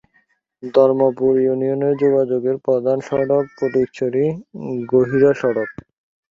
ধর্মপুর ইউনিয়নে যোগাযোগের প্রধান সড়ক ফটিকছড়ি-গহিরা সড়ক।